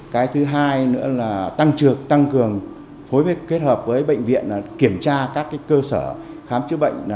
cái thứ hai nữa là tăng trượt tăng cường phối kết hợp với bệnh viện kiểm tra các cơ sở khám chữa bệnh